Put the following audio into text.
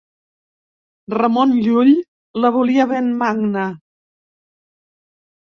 Ramon Llull la volia ben magna.